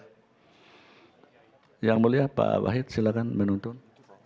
hai yang mulia pak wahid silakan menonton